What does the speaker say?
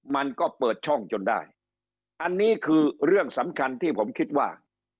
มันก็เปิดช่องจนได้อันนี้คือเรื่องสำคัญที่ผมคิดว่า